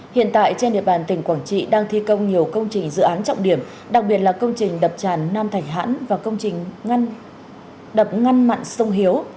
hiện tại trên địa bàn tỉnh quảng trị đang thi công nhiều công trình dự án trọng điểm đặc biệt là công trình đập tràn nam thạch hãn và công trình đập ngăn mặn sông hiếu